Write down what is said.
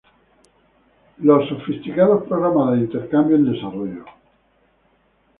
los sofisticados programas de intercambio en desarrollo